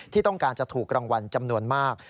ที่ต้องการจะถูกรางวัลจำนวนมาก